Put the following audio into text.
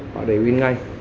họ đẩy in ngay